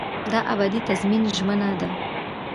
دا ابدي تضمین ژمنه ده.